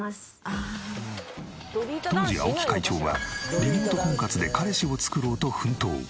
当時青木会長はリモート婚活で彼氏を作ろうと奮闘。